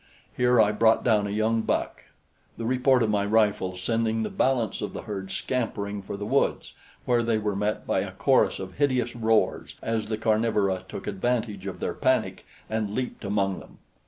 Here I brought down a young buck, the report of my rifle sending the balance of the herd scampering for the woods, where they were met by a chorus of hideous roars as the carnivora took advantage of their panic and leaped among them.